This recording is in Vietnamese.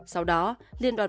sau đó liên đoàn